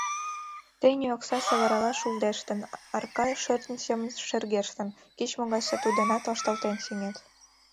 Тений окса саворала шулдештын, арака шӧртньӧ семын шергештын, кеч-могай сату денат вашталтен сеҥет.